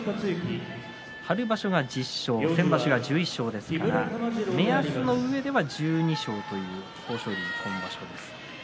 春場所は１０勝先場所は１１勝ですから目安の上では１２勝ということになります。